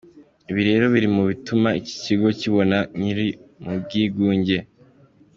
Ibi rero biri mu bituma iki gihugu cyibona nk’ikiri mu bwigunge.